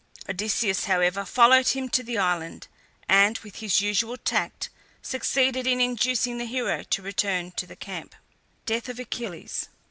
Odysseus, however, followed him to the island, and, with his usual tact, succeeded in inducing the hero to return to the camp. DEATH OF ACHILLES.